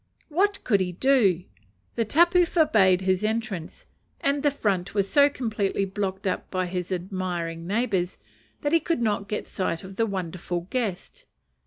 What could he do? The tapu forbade his entrance, and the front was so completely blocked up by his admiring neighbours that he could not get sight of the wonderful guest.